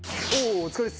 お疲れっす！